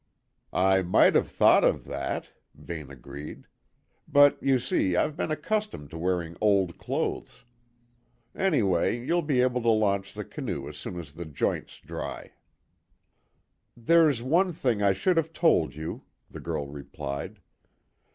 "I might have thought of that," Vane agreed. "But, you see, I've been accustomed to wearing old clothes. Anyway, you'll be able to launch the canoe as soon as the joint's dry." "There's one thing I should have told you," the girl replied.